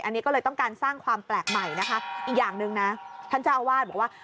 อันนี้ก็เลยต้องการสร้างความแปลกใหม่นะคะอีกอย่างหนึ่งนะท่านเจ้าอาวาสบอกว่า